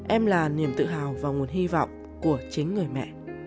em là niềm tự hào và nguồn hy vọng của chính người mẹ